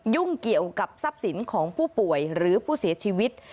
ยุ่งเกี่ยวกับทรัพย์สินของผู้ป่วยหรือผู้เสียชีวิต